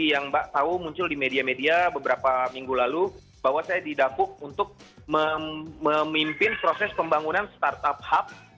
yang mbak tahu muncul di media media beberapa minggu lalu bahwa saya didapuk untuk memimpin proses pembangunan startup hub